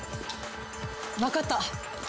わかった！